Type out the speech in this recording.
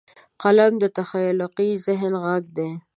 قلم د تخلیقي ذهن غږ دی